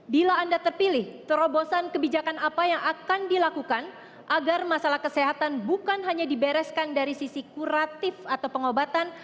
bila anda terpilih terobosan kebijakan apa yang akan dilakukan agar masalah kesehatan bukan hanya dibereskan dari sisi kuratif atau pengobatan